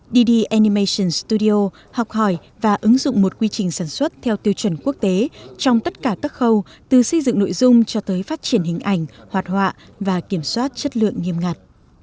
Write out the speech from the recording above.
dd animation studio học hỏi và ứng dụng một quy trình sản xuất theo tiêu chuẩn quốc tế trong tất cả các khâu từ xây dựng nội dung cho tới phát triển hình ảnh hoạt họa và kiểm soát chất lượng nghiêm ngặt